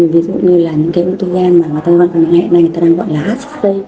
ví dụ như là những cái uống thư gan mà người ta gọi là hsc